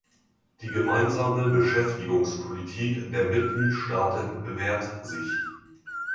Die gemeinsame Beschäftigungspolitik der Mitgliedstaaten bewährt sich.